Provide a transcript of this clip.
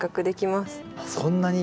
そんなに。